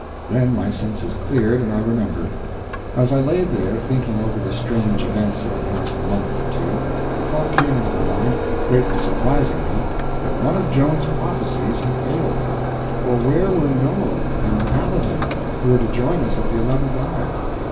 Then my senses cleared, and I remembered. As I lay there thinking over the strange events of the past month or two the thought came into my mind, greatly surprising me, that one of Joan's prophecies had failed; for where were Noel and the Paladin, who were to join us at the eleventh hour?